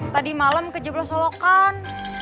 tadi malam ke jebelah solokan